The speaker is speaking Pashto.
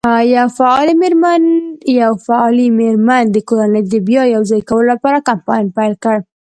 یوه فعالې مېرمن د کورنۍ د بیا یو ځای کولو لپاره کمپاین پیل کړ.